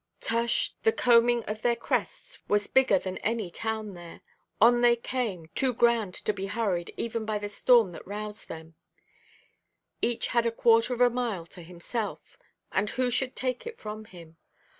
Tush, the combing of their crests was bigger than any town there. On they came, too grand to be hurried even by the storm that roused them; each had a quarter of a mile to himself, and who should take it from him?